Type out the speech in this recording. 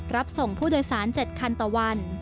รับส่งผู้โดยสาร๗คันต่อวัน